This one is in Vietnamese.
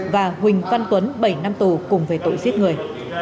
và huỳnh văn tuấn bảy năm tù cùng về tội giết người